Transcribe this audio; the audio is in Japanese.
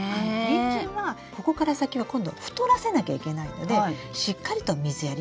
ニンジンはここから先は今度太らせなきゃいけないのでしっかりと水やりをするということ。